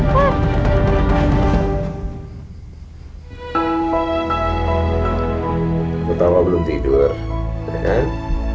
kamu tau aku belum tidur kan